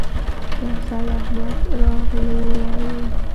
پر ځاى احمد راغلهووايو